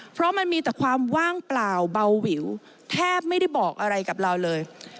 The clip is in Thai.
เพราะมันมีแต่ความว่างเปล่าเบาหวิวแทบไม่ได้บอกอะไรกับเราเลย